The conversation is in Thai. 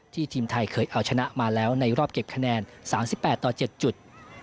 ทีมไทยเคยเอาชนะมาแล้วในรอบเก็บคะแนน๓๘ต่อ๗จุด